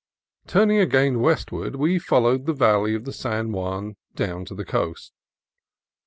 Turning again westward we followed the valley of the San Juan down to the coast.